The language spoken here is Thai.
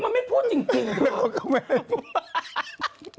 มันไม่พูดจริงหรือเปล่า